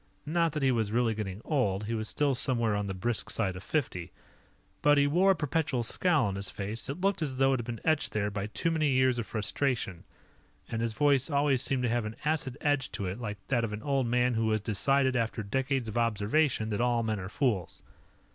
Not that he was really getting old; he was still somewhere on the brisk side of fifty. But he wore a perpetual scowl on his face that looked as though it had been etched there by too many years of frustration, and his voice always seemed to have an acid edge to it, like that of an old man who has decided, after decades of observation, that all men are fools.